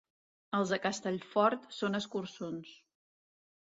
Els de Castellfort són escurçons.